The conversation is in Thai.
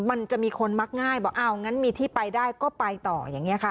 มันจะมีคนมักง่ายบอกอ้าวงั้นมีที่ไปได้ก็ไปต่ออย่างนี้ค่ะ